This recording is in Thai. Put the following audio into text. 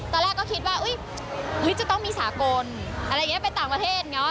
ตอนแรกก็คิดว่าจะต้องมีสากลอะไรอย่างนี้ไปต่างประเทศเนอะ